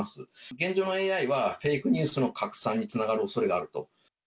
現状のＡＩは、フェイクニュースの拡散につながるおそれがあると。